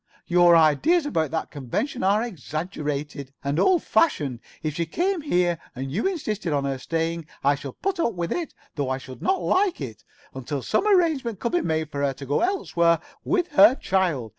Your ideas about that convention are exaggerated, and old fashioned. If she did come here, and you insisted on her staying, I should put up with it, though I should not like it, until some arrangement could be made for her to go elsewhere with her child.